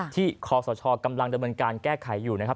คอสชกำลังดำเนินการแก้ไขอยู่นะครับ